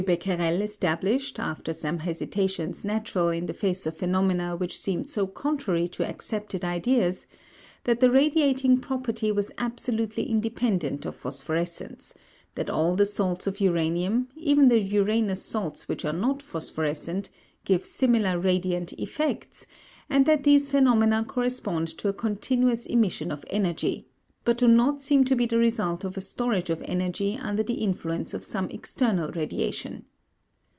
Becquerel established, after some hesitations natural in the face of phenomena which seemed so contrary to accepted ideas, that the radiating property was absolutely independent of phosphorescence, that all the salts of uranium, even the uranous salts which are not phosphorescent, give similar radiant effects, and that these phenomena correspond to a continuous emission of energy, but do not seem to be the result of a storage of energy under the influence of some external radiation.